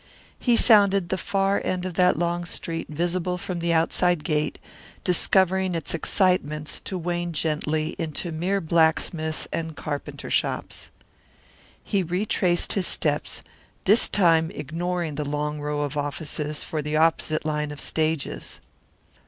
He sounded the far end of that long street visible from outside the gate, discovering its excitements to wane gently into mere blacksmith and carpenter shops. He retraced his steps, this time ignoring the long row of offices for the opposite line of stages.